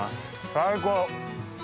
最高。